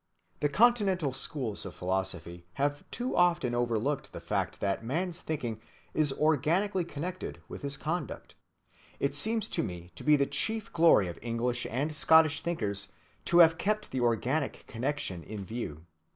The Continental schools of philosophy have too often overlooked the fact that man's thinking is organically connected with his conduct. It seems to me to be the chief glory of English and Scottish thinkers to have kept the organic connection in view.